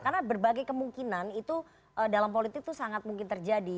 karena berbagai kemungkinan itu dalam politik sangat mungkin terjadi